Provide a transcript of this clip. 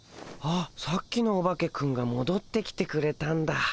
あっさっきのオバケくんがもどってきてくれたんだ。